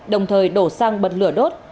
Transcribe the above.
đồng thời đổ xăng bật lửa đốt